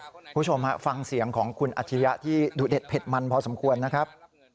คุณผู้ชมฮะฟังเสียงของคุณอาชิริยะที่ดูเด็ดเผ็ดมันพอสมควรนะครับ